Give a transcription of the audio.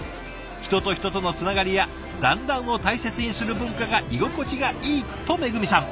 人と人とのつながりや団らんを大切にする文化が居心地がいいとめぐみさん。